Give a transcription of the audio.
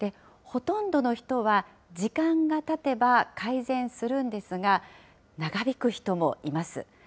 ほとんどの人は、時間がたてば改善するんですが、長引く人もいます。